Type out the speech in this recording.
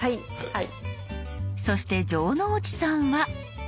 そして城之内さんは。